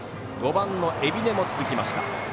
５番、海老根も続きました。